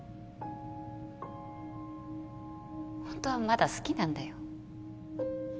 ホントはまだ好きなんだよ